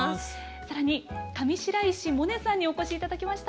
さらに上白石萌音さんにお越し頂きました。